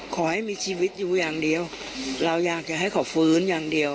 ขอให้มีชีวิตอยู่อย่างเดียวเราอยากจะให้เขาฟื้นอย่างเดียว